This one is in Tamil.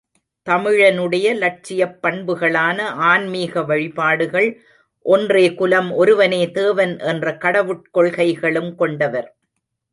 தமிழனுடைய லட்சியப் பண்புகளான ஆன்மீக வழிபாடுகள், ஒன்றே குலம் ஒருவனே தேவன் என்ற கடவுட் கொள்கைகளும் கொண்டவர்.